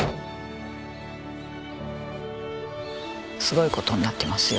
すごい事になってますよ。